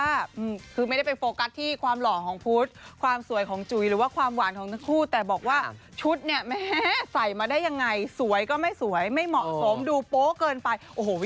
ดูเหมือนจะดีทุกอย่างทำไมคนไปโฟกัสอะไรบางอย่างแล้ว